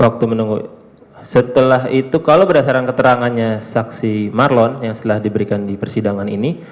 waktu menunggu setelah itu kalau berdasarkan keterangannya saksi marlon yang setelah diberikan di persidangan ini